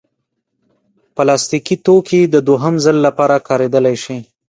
پلاستيکي توکي د دوهم ځل لپاره کارېدلی شي.